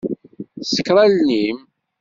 Ṣekkeṛ allen-im.